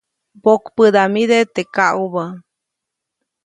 Mbokpäʼdamide teʼ kaʼubä.